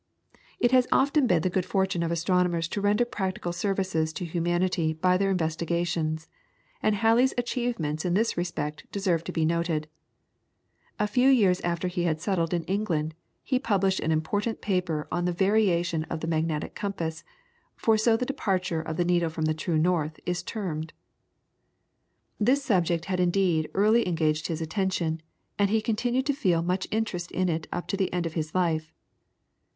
It has often been the good fortune of astronomers to render practical services to humanity by their investigations, and Halley's achievements in this respect deserve to be noted. A few years after he had settled in England, he published an important paper on the variation of the magnetic compass, for so the departure of the needle from the true north is termed. This subject had indeed early engaged his attention, and he continued to feel much interest in it up to the end of his life.